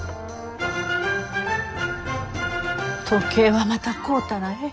時計はまた買うたらえい。